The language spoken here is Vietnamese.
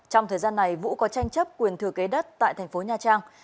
trong thời gian này vũ có tranh chấp quyền thừa kế đất tại thành phố nha trang